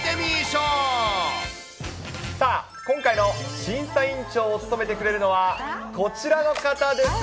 さあ、今回の審査委員長を務めてくれるのは、こちらの方です。